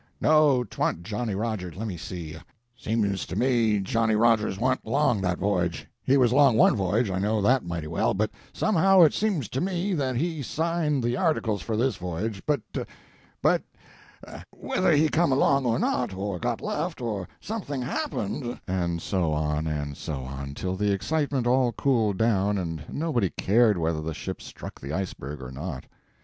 no, 'twa'n't Johnny Rogers... lemme see ... seems to me Johnny Rogers wa'n't along that voyage; he was along one voyage, I know that mighty well, but somehow it seems to me that he signed the articles for this voyage, but but whether he come along or not, or got left, or something happened " And so on and so on till the excitement all cooled down and nobody cared whether the ship struck the iceberg or not.